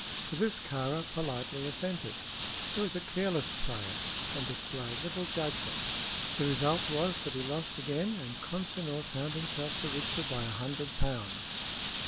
To this Kāra politely assented. He was a careless player, and displayed little judgment. The result was that he lost again, and Consinor found himself the richer by a hundred pounds.